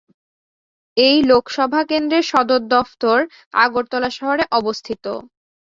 এই লোকসভা কেন্দ্রের সদর দফতর আগরতলা শহরে অবস্থিত।